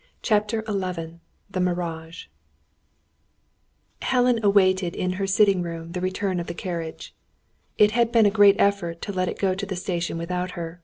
CHAPTER XI THE MIRAGE Helen awaited in her sitting room the return of the carriage. It had been a great effort to let it go to the station without her.